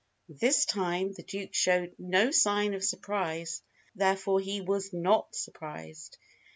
This time the Duke showed no sign of surprise, therefore he was not surprised.